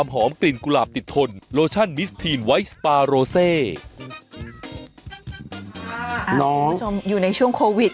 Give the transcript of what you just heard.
คุณผู้ชมอยู่ในช่วงโควิด